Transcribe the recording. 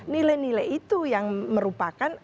nilai nilai itu yang merupakan